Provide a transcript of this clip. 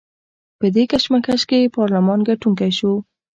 په دې کشمکش کې پارلمان ګټونکی شو.